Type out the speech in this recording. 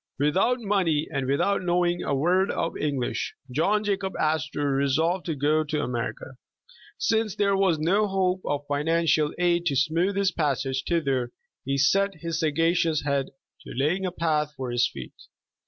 Without money, and without knowing a word of English, John Jacob Astor resolved to go to America. Since there was no hope of financial aid to smooth his passage thither, he set his sagacious head to laying a path for his feet.